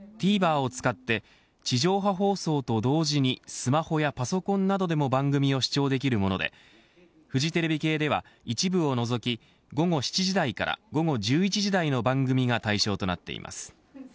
ＴＶｅｒを使って地上波放送と同時にスマホやパソコンなどでも番組を視聴できるものでフジテレビ系では一部を除き午後７時台から午後１１時台の番組が対象となっています。